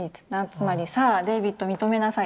つまり「さあデイヴィッド認めなさい」。